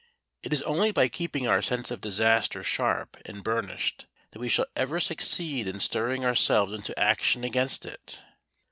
It is only by keeping our sense of disaster sharp and burnished that we shall ever succeed in stirring ourselves into action against it.